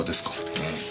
うん。